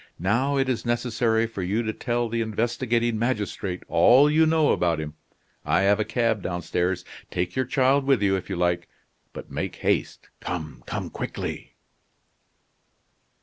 "Now it is necessary for you to tell the investigating magistrate all you know about him. I have a cab downstairs. Take your child with you, if you like; but make haste; come, come quickly!"